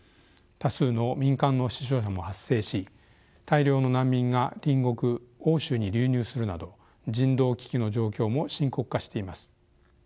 多数の民間の死傷者も発生し大量の難民が隣国欧州に流入するなど人道危機の状況も深刻化しています。